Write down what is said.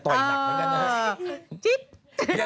ต่อไป